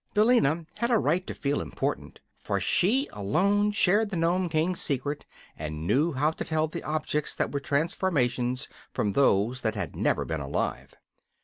Billina had a right to feel important; for she alone shared the Nome King's secret and knew how to tell the objects that were transformations from those that had never been alive.